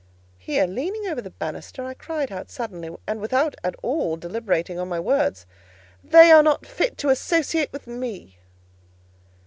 Here, leaning over the banister, I cried out suddenly, and without at all deliberating on my words— "They are not fit to associate with me."